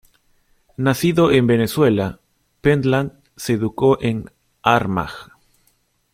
Nacido en Venezuela, Pentland se educó en Armagh.